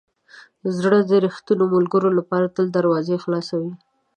زړه د ریښتینو ملګرو لپاره تل دروازې خلاصوي.